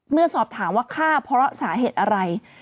เมื่อสอบถามว่าฆ่าเพราะสาเหตุอะไร